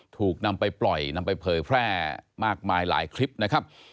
ถูกนำไปปล่อยนำไปเผยแพร่มากมายหลายคลิปนะครับ